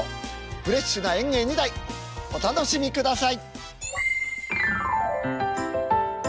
フレッシュな演芸２題お楽しみください。